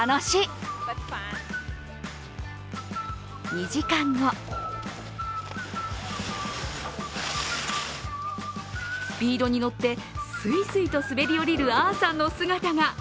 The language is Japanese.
２時間後スピードに乗ってすいすいと滑り降りるアーさんの姿が。